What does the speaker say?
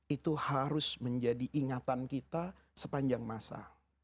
itu harus menjadi ingatan kita sepanjang masa